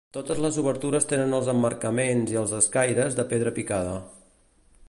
Totes les obertures tenen els emmarcaments i els escaires de pedra picada.